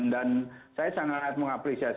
dan saya sangat mengapresiasi